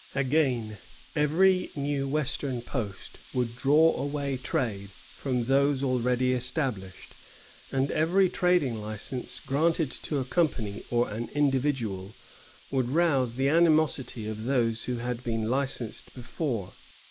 Again, every new western post would draw away trade from those already established, and every trading license granted to a company or an individual would rouse the animosity of those who had been licensed before.